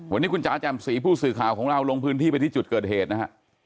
วันนี้คุณจ๋าแจ่มสีผู้สื่อข่าวของเราลงพื้นที่ไปที่จุดเกิดเหตุนะฮะ